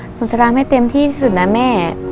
หนูจะร้าไม่เต็มที่ที่สุดนะแม่